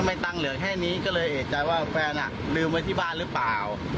ตังค์เหลือแค่นี้ก็เลยเอกใจว่าแฟนลืมไว้ที่บ้านหรือเปล่า